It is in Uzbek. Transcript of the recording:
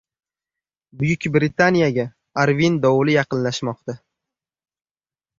Buyuk Britaniyaga «Arven» dovuli yaqinlashmoqda